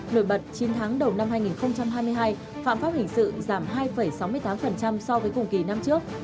nổi bật chín tháng đầu năm hai nghìn hai mươi hai phạm pháp hình sự giảm hai sáu mươi tám so với cùng kỳ năm trước